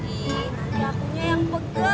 ih nanti akunya yang pegel